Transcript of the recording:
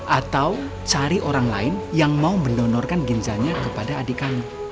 atau cari orang lain yang mau mendonorkan ginjanya kepada adik kami